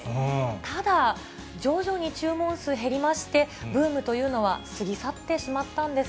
ただ、徐々に注文数減りまして、ブームというのは過ぎ去ってしまったんです。